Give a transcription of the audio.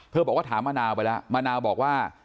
บอกว่าถามมะนาวไปแล้วมะนาวบอกว่า